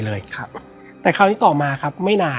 และวันนี้แขกรับเชิญที่จะมาเชิญที่เรา